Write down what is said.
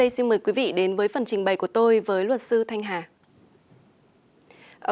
xin mời quý vị đến với phần trình bày của tôi với luật sư thanh hà